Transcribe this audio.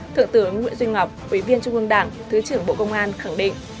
thượng tướng nguyễn duy ngọc quý viên trung ương đảng thứ trưởng bộ công an khẳng định